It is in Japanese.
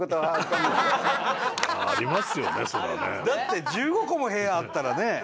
だって１５個も部屋あったらね。